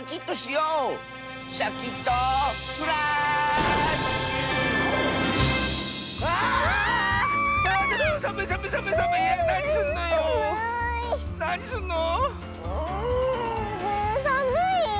うもうさむいよ。